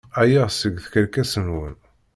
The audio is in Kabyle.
Ɛyiɣ seg tkerkas-nwen!